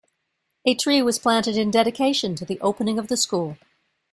A tree was planted in dedication to the opening of the school.